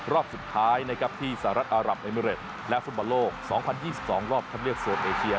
รอบสุดท้ายที่สหรัฐอัลหรับเอมิเรตส์และศุภาโลก๒๐๒๒รอบที่เขาเรียกส่วนเอเชีย